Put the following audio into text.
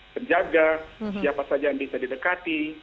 penjaga siapa saja yang bisa didekati